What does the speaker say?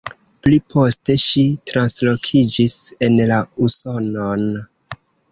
Pli poste ŝi translokiĝis en la Usonon.